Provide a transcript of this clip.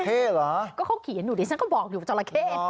เขาก็เขาเขียนว่าจราแข่